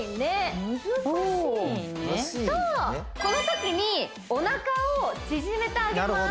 このときにおなかを縮めてあげます